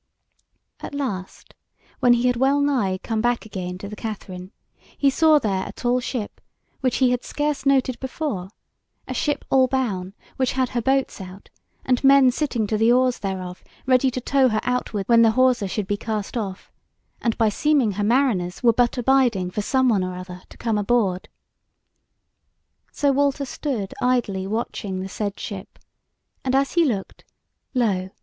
At last when he had wellnigh come back again to the Katherine, he saw there a tall ship, which he had scarce noted before, a ship all boun, which had her boats out, and men sitting to the oars thereof ready to tow her outwards when the hawser should be cast off, and by seeming her mariners were but abiding for some one or other to come aboard. So Walter stood idly watching the said ship, and as he looked, lo!